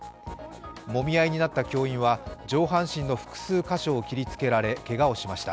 もみ合いになった教員は上半身の複数箇所を切りつけられけがをしました。